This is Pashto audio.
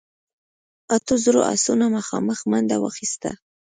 اتو زرو آسونو مخامخ منډه واخيسته.